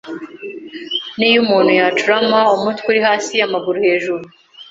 Niyo umuntu yacurama umutwe uri hasi amaguru hejuru,